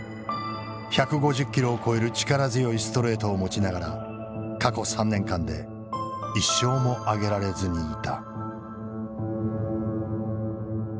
１５０キロを超える力強いストレートを持ちながら過去３年間で一勝も挙げられずにいた。